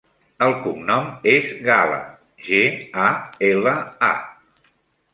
El cognom és Gala: ge, a, ela, a.